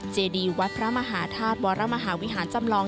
เจดีวัดพระมหาธาตุวรมหาวิหารจำลอง